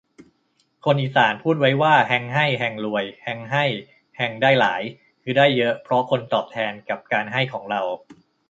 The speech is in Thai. คนอีสานพูดไว้ว่า แฮงให้ แฮงรวย แฮงให้ แฮงได้หลาย คือ ได้เยอะเพราะคนตอบแทนกับการให้ของเรา